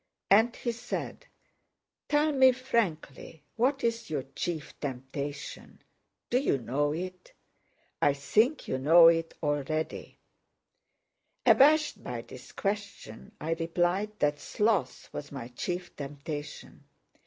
And he said, "Tell me frankly what is your chief temptation? Do you know it? I think you know it already." Abashed by this question, I replied that sloth was my chief temptation.